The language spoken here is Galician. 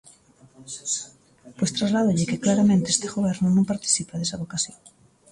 Pois trasládolle que claramente este Goberno non participa desa vocación.